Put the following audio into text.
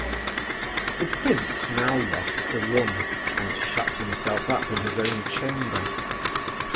The prince now left the room and shut himself up in his own chamber.